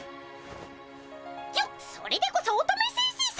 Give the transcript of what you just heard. よっそれでこそ乙女先生さま！